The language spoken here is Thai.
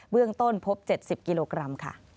เบื้องต้นพบ๗๐กิโลกรัม